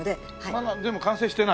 まだ全部完成してない？